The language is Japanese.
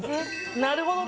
なるほどね。